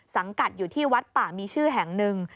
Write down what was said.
สังกัดอยู่ที่วัดป่ามีชื่อแห่งหนึ่ง